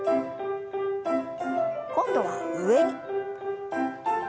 今度は上。